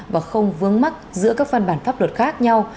và không vướng mắt giữa các văn bản pháp luật khác nhau